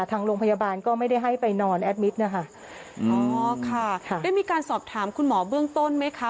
ทางโรงพยาบาลก็ไม่ได้ให้ไปนอนแอดมิตรนะคะอ๋อค่ะได้มีการสอบถามคุณหมอเบื้องต้นไหมคะ